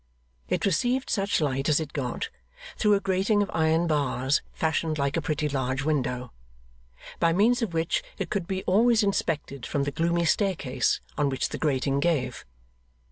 It received such light as it got through a grating of iron bars fashioned like a pretty large window, by means of which it could be always inspected from the gloomy staircase on which the grating gave.